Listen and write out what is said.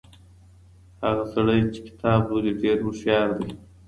هغه سړی چي کتاب لولي ډېر هوښیار دی.